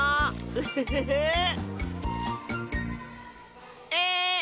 ウッフフフー！え